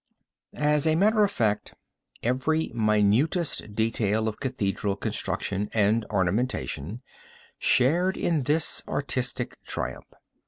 As a matter of fact, every minutest detail of cathedral construction and ornamentation shared in this artistic triumph.